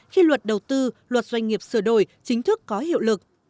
khi luật đầu tư luật doanh nghiệp sửa đổi chính thức có hiệu lực